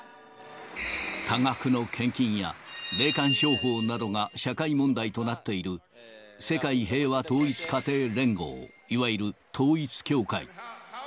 多額の献金や、霊感商法などが社会問題となっている世界平和統一家庭連合、いわゆる統一教会。